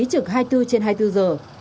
trực hai mươi bốn trên hai mươi bốn giờ